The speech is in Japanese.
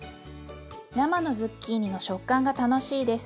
生のズッキーニの食感が楽しいです。